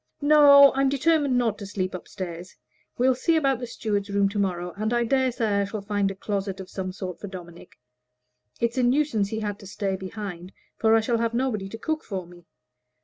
"No; I'm determined not to sleep up stairs. We'll see about the steward's room to morrow, and I dare say I shall find a closet of some sort for Dominic. It's a nuisance he had to stay behind, for I shall have nobody to cook for me.